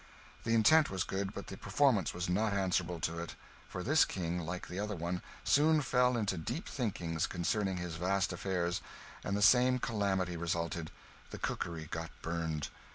The intent was good, but the performance was not answerable to it, for this King, like the other one, soon fell into deep thinkings concerning his vast affairs, and the same calamity resulted the cookery got burned.